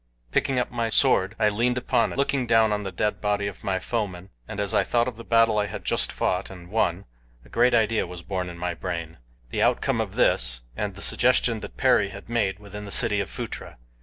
Picking up my sword I leaned upon it, looking down on the dead body of my foeman, and as I thought of the battle I had just fought and won a great idea was born in my brain the outcome of this and the suggestion that Perry had made within the city of Phutra.